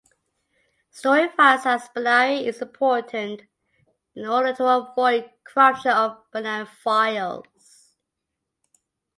Storing files as binary is important in order to avoid corruption of binary files.